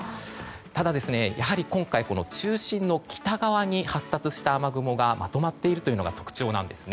ただ、今回中心の北側に発達した雨雲がまとまっているというのが特徴なんですね。